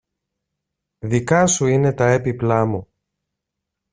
Δικά σου είναι τα έπιπλα μου